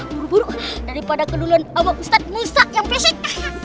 buruk buruk daripada keluluan ama ustadz musa yang pesek